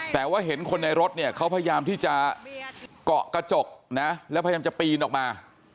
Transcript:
แต่ว่าเห็นคนในรถเนี่ยเขาพยายามที่จะเกาะกระจกนะแล้วพยายามจะปีนออกมา